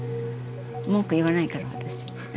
文句言わないから私。